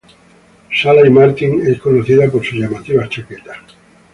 Sala-i-Martín es conocido por sus llamativas chaquetas.